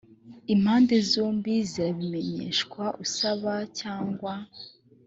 impande zombi zirabimenyeshwa usaba cyangwa